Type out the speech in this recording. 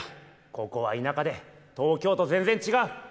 ここは田舎で東京と全然違う。